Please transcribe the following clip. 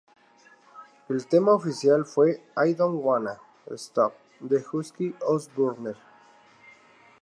El tema oficial fue ""I Don't Wanna Stop"" de Ozzy Osbourne.